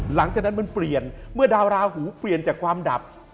หลังจากนั้นมันเปลี่ยนเมื่อดาวราหูเปลี่ยนจากความดับ